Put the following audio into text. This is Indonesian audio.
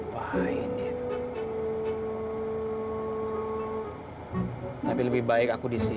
yang dijebak oleh pak ibu fresa